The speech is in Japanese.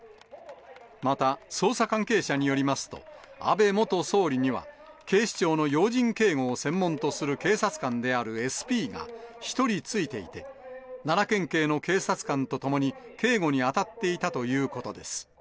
また捜査関係者によりますと、安倍元総理には、警視庁の要人警護を専門とする警察官であるＳＰが１人付いていて、奈良県警の警察官と共に警護に当たっていたということです。